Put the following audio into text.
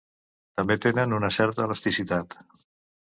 També tenen una certa elasticitat.